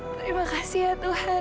terima kasih ya tuhan